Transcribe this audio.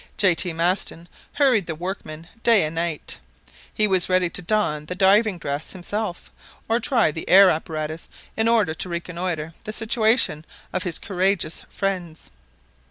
J. T. Maston hurried the workmen day and night. He was ready to don the diving dress himself, or try the air apparatus, in order to reconnoiter the situation of his courageous friends.